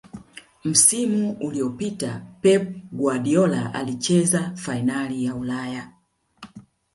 msimu uliopita pep guardiola alicheza fainali ya Ulaya